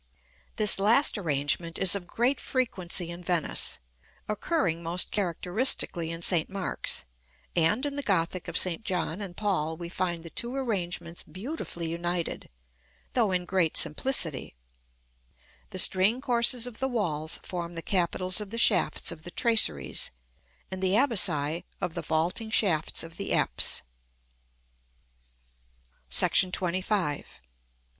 This last arrangement is of great frequency in Venice, occurring most characteristically in St. Mark's: and in the Gothic of St. John and Paul we find the two arrangements beautifully united, though in great simplicity; the string courses of the walls form the capitals of the shafts of the traceries; and the abaci of the vaulting shafts of the apse. [Illustration: Fig. XXVIII.] § XXV.